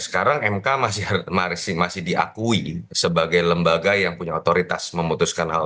sekarang mk masih diakui sebagai lembaga yang punya otoritas memutuskan hal itu